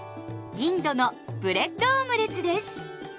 インドのブレッドオムレツです。